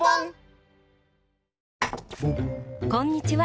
こんにちは。